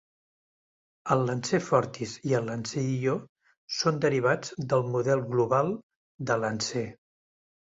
El Lancer Fortis i el Lancer iO són derivats del model global de Lancer.